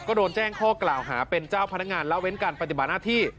ก็โดนแจ้งข้อกล่าวหาเป็นเจ้าพนักงานละเว้นการปฏิบัติหน้าที่